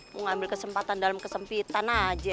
mau ngambil kesempatan dalam kesempitan aja